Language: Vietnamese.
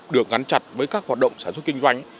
được gắn chặt với các hoạt động sản xuất kinh doanh